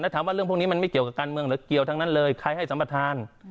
ถามว่าเรื่องพวกนี้มันไม่เกี่ยวกับการเมืองหรือเกี่ยวทั้งนั้นเลยใครให้สัมประธาน